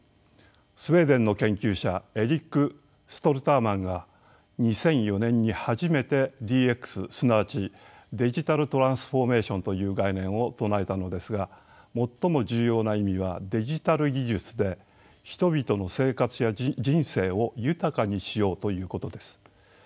スウェーデンの研究者エリック・ストルターマンが２００４年に初めてＤＸすなわちデジタルトランスフォーメーションという概念を唱えたのですが最も重要な意味はデジタル技術で人々の生活や人生を豊かにしようということです。